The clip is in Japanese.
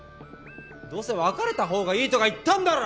どうせ別れたほうがいいとか言ったんだろ！